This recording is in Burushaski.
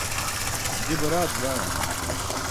je baraat baa.